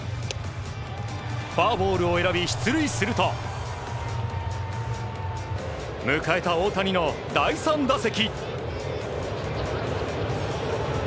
フォアボールを選んで出塁すると迎えた大谷の第３打席。